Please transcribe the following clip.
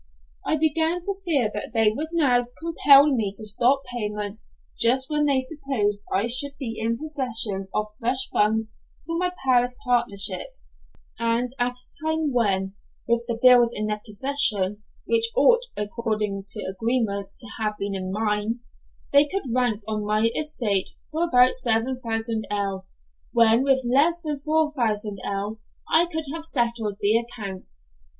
I began to fear that they would now compel me to stop payment just when they supposed I should be in possession of fresh funds for my Paris partnership, and at a time when (with the bills in their possession, which ought, according to agreement, to have been in mine) they could rank on my estate for about 7000_l._, when with less than 4000_l._ I could have settled the account.